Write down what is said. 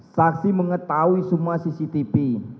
saksi mengetahui semua cctv